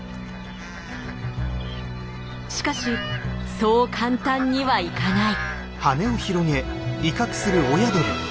しかしそう簡単にはいかない。